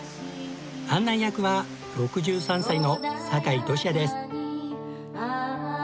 案内役は６３歳の酒井敏也です。